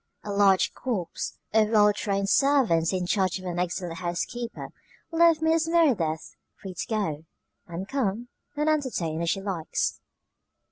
A large corps of well trained servants in charge of an excellent housekeeper left Mrs. Merideth free to go, and come, and entertain as she liked.